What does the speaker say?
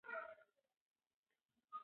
هغه وویل چې تندرستي د ژوند خوند دی.